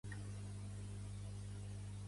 No diguis mai aquest frare no és mon pare